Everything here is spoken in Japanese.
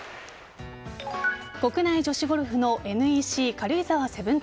国内女子ゴルフのＮＥＣ軽井沢７２。